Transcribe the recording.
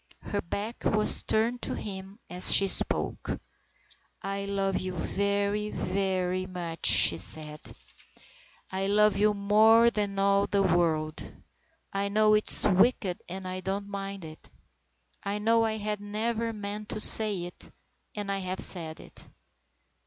Her back was turned to him as she spoke. " I love you very, very much," she said. " I 160 STORIES IN GREY love you more than all the world. I know it's wicked and I don't mind it. I know I had never meant to say it, and I have said it."